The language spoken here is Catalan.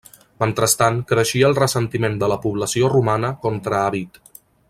Mentrestant, creixia el ressentiment de la població romana contra Avit.